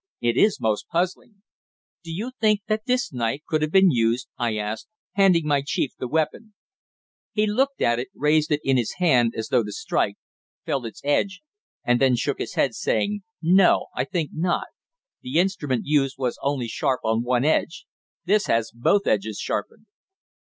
"It is most puzzling." "Do you think that this knife could have been used?" I asked, handing my chief the weapon. He looked at it, raised it in his hand as though to strike, felt its edge, and then shook his head, saying: "No, I think not. The instrument used was only sharp on one edge. This has both edges sharpened."